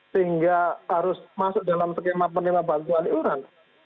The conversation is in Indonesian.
sehingga harus masuk dalam skema penerima bantuan iuran